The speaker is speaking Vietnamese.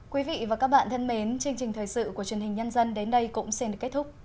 quý vị và các bạn thân mến chương trình thời sự của truyền hình nhân dân đến đây cũng xin được kết thúc